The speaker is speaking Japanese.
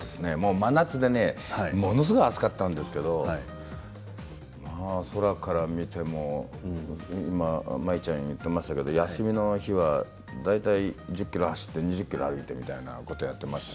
真夏でものすごく暑かったんですけど空から見ても今、舞ちゃんが言ってましたけど休みの日は大体１０ｋｍ走って２０ｋｍ歩いてみたいなことやってました。